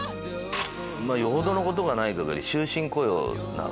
よほどのことがない限り終身雇用なので。